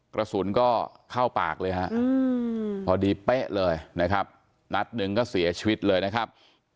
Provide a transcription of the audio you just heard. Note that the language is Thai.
กระสุนก็เข้าปากเลยฮะพอดีเป๊ะเลยนะครับนัดหนึ่งก็เสียชีวิตเลยนะครับ